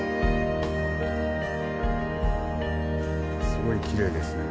すごいきれいですね。